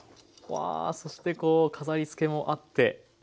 わあそしてこう飾りつけもあって。